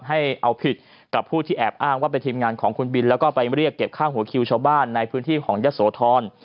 ให้เอาผิดกับผู้ที่แอบอ้างว่าเป็นทีมงานของคุณบินแล้วก็ไปเรียกเก็บค่าหัวคิวชาวบ้านในพื้นที่ของยะโสธร